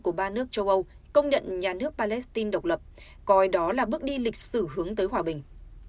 của ba nước châu âu công nhận nhà nước palestine độc lập coi đó là bước đi lịch sử hướng tới hòa bình